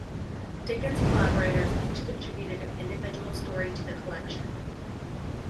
Dickens's collaborators each contributed an individual story to the collection.